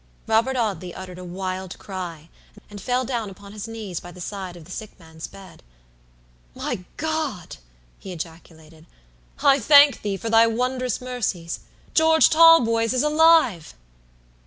Robert Audley uttered a wild cry, and fell down upon his knees by the side of the sick man's bed. "My God!" he ejaculated, "I think Thee for Thy wondrous mercies. George Talboys is alive!"